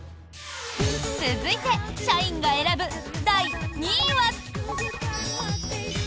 続いて社員が選ぶ第２位は。